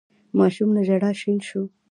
ماشوم له ژړا شين شو.